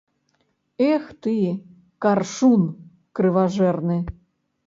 Эх ты, каршун крыважэрны!